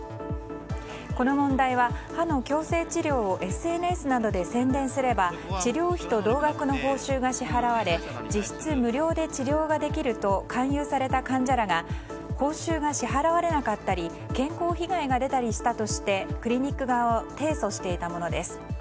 この問題は歯の矯正治療をＳＮＳなどで宣伝すれば治療費と同額の報酬が支払われ実質無料で治療ができると勧誘された患者らが報酬が支払われなかったり健康被害が出たりしたとしてクリニック側を提訴していたものです。